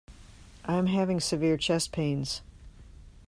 I am having severe chest pains.